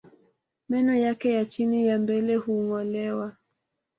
Meno yake ya chini ya mbele hungolewa